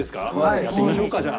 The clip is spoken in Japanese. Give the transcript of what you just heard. やってみましょうかじゃあ。